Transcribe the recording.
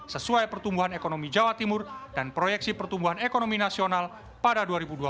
sesuai pertumbuhan ekonomi jawa timur dan proyeksi pertumbuhan ekonomi nasional pada dua ribu dua puluh